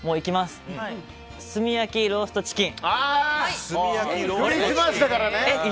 炭焼きローストチキン。